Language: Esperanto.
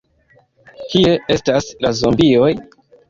Kie estas la zombioj?